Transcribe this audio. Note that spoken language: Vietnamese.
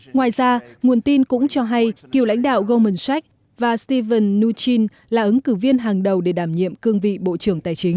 ngoài ra nguồn tin cũng cho hay cựu lãnh đạo golmence và stephen mnuchin là ứng cử viên hàng đầu để đảm nhiệm cương vị bộ trưởng tài chính